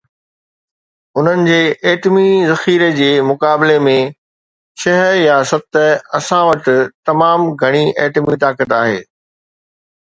انهن جي ايٽمي ذخيري جي مقابلي ۾ ڇهه يا ست، اسان وٽ تمام گهڻي ايٽمي طاقت آهي.